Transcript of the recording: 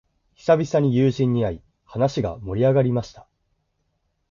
久々に友人に会い、話が盛り上がりました。